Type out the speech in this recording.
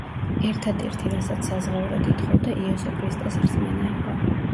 ერთადერთი, რასაც საზღაურად ითხოვდა, იესო ქრისტეს რწმენა იყო.